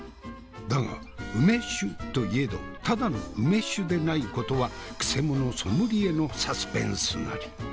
だが梅酒といえどただの梅酒でないことはくせ者ソムリエのサスペンスなり。